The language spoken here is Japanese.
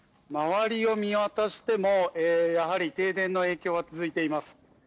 周りを見渡しても、やはり停電の影響は続いています。